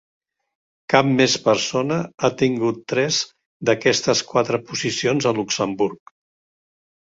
Cap més persona ha tingut tres d'aquestes quatre posicions a Luxemburg.